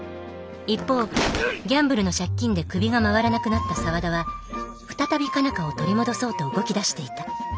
一方ギャンブルの借金で首が回らなくなった沢田は再び佳奈花を取り戻そうと動きだしていた。